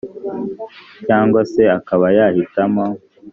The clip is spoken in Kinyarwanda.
cyangwa se akaba yahitamo